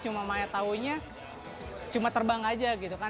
cuma saya tahunya cuma terbang saja